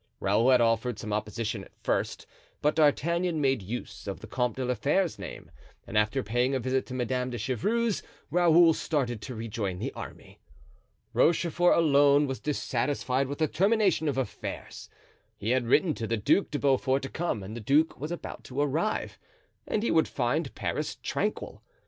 Raoul had offered some opposition at first; but D'Artagnan made use of the Comte de la Fere's name, and after paying a visit to Madame de Chevreuse, Raoul started to rejoin the army. Rochefort alone was dissatisfied with the termination of affairs. He had written to the Duc de Beaufort to come and the duke was about to arrive, and he would find Paris tranquil.